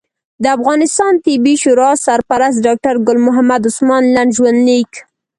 د افغانستان طبي شورا سرپرست ډاکټر ګل محمد عثمان لنډ ژوند لیک